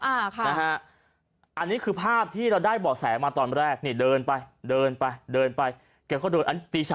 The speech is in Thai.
อ่าค่ะนะฮะอันนี้คือภาพที่เราได้บอกแสมาตอนแรกนี่เดินไปเดินไปเดินไปแกก็เดินอันตี๓